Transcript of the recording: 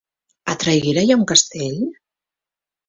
A Traiguera hi ha un castell?